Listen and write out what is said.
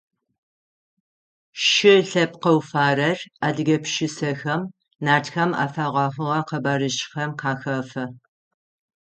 Шы лъэпкъэу фарэр адыгэ пшысэхэм, Нартхэм афэгъэхьыгъэ къэбарыжъхэм къахэфэ.